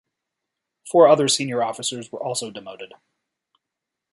Four other senior officers were also demoted.